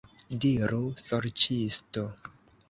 Diru, sorĉisto!